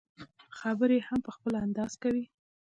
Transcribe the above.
خبرې هم په خپل انداز کوي.